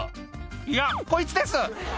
「いやこいつです」